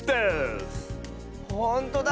ほんとだ！